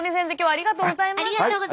ありがとうございます。